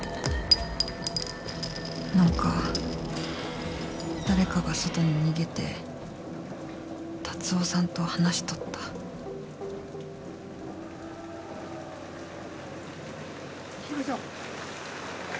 何か誰かが外に逃げて達雄さんと話しとった行きましょう